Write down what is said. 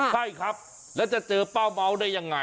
ใช่ครับแล้วจะเจอเป้าเมาส์ได้ยังไง